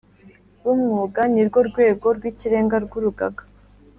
B umwuga ni rwo rwego rw ikirenga rw urugaga